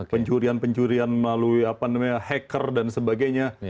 pencurian pencurian melalui hacker dan sebagainya